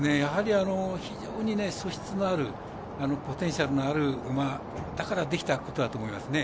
非常に素質のあるポテンシャルのある馬だからできたことだと思いますね。